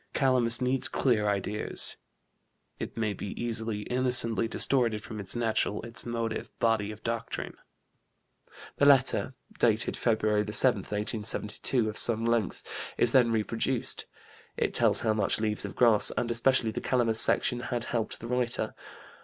Calamus needs clear ideas; it may be easily, innocently distorted from its natural, its motive, body of doctrine." The letter, dated Feb. 7, 1872, of some length, is then reproduced. It tells how much Leaves of Grass, and especially the Calamus section, had helped the writer.